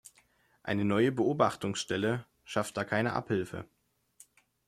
Eine neue Beobachtungsstelle schafft da keine Abhilfe.